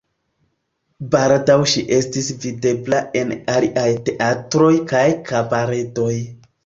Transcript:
Baldaŭ ŝi estis videbla en aliaj teatroj kaj kabaredoj.